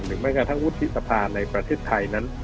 แม้กระทั่งวุฒิสภาในประเทศไทยนั้น